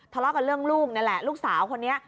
ทะเลาะกับเรื่องลูกนั่นแหละลูกสาวคนนี้